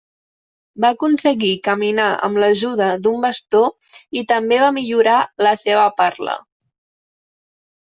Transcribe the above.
Va aconseguir caminar amb l'ajuda d'un bastó i també va millorar la seva parla.